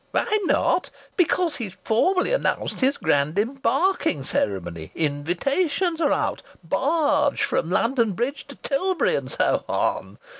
"Why not? Because he's formally announced his grand embarking ceremony! Invitations are out. Barge from London Bridge to Tilbury, and so on!